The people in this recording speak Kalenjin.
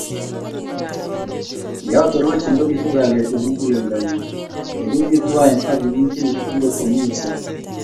Yeatorochin kobitu kalyet eng' muguleldanyu. Ye kimi twain akimitu angot ye mi uset.